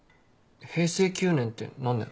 平成９年って何年？